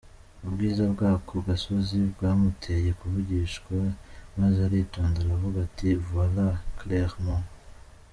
Ubwiza bw’ako gasozi bwamuteye kuvugishwa maze aritonda aravuga ati “voilà clair mont.